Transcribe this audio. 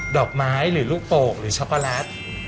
ดอกไม้หรือลูกโป่งหรือช็อกโกแลต